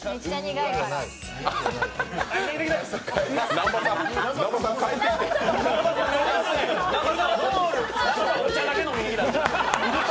南波さん、お茶だけ飲みに来た。